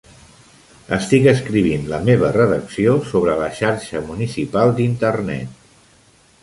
Estic escrivint la meva redacció sobre la xarxa municipal d'Internet.